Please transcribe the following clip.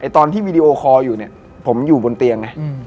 ตอนที่วีดีโอคอลอยู่เนี่ยผมอยู่บนเตียงไง